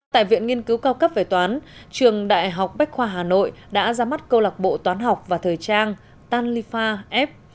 tại viện nghiên cứu cao cấp về toán trường đại học bách khoa hà nội đã ra mắt câu lạc bộ toán học và thời trang talifa f